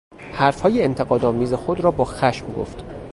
حرفهای انتقاد آمیز خود را با خشم گفت.